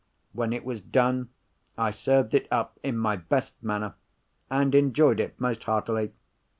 When it was done, I served it up in my best manner, and enjoyed it most heartily.